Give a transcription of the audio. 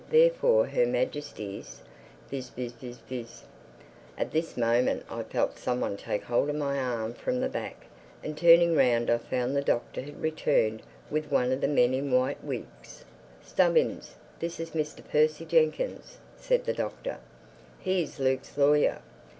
Therefore Her Majesty's—biz—biz—biz—" At this moment I felt some one take hold of my arm from the back, and turning round I found the Doctor had returned with one of the men in white wigs. "Stubbins, this is Mr. Percy Jenkyns," said the Doctor. "He is Luke's lawyer.